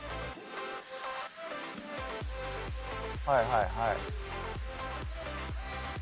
はいはいはい。